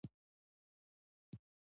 مېله د ټولني د خوښۍ او رنګارنګۍ سېمبول ده.